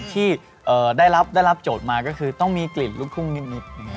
ที่ได้รับโจทย์มาก็คือต้องมีกลิ่นลูกทุ่งนิด